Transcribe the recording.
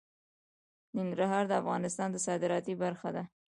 ننګرهار د افغانستان د صادراتو برخه ده.